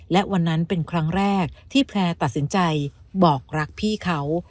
และวันนั้นเป็นครั้งแรกที่แพร่ตัดสินใจบอกรักพี่เขา